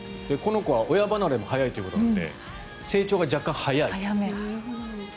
この子は親離れも早いということなので成長が若干、早い。